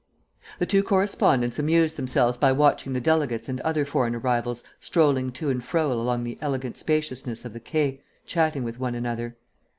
The two correspondents amused themselves by watching the delegates and other foreign arrivals strolling to and fro along the elegant spaciousness of the Quai, chatting with one another.